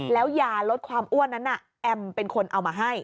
แล้วยาลดความอ้วนนั้นแอมเป็นคนเอามาให้